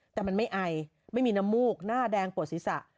แต่มันไม่ไอไม่มีน้ำมูกหน้าแดงปวดศีรษะ